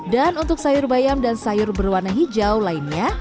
dan untuk sayur bayam dan sayur berwarna hijau lainnya